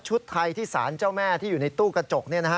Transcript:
ไทยที่สารเจ้าแม่ที่อยู่ในตู้กระจก